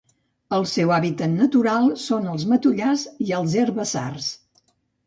El seu hàbitat natural són els matollars i els herbassars.